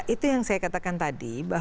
itu yang saya katakan tadi